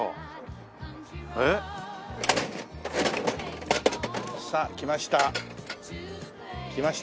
えっ？さあ来ました。